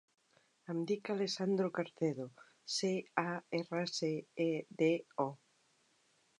Em dic Alessandro Carcedo: ce, a, erra, ce, e, de, o.